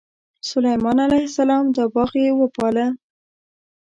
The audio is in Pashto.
سلیمان علیه السلام دا باغ یې وپاله.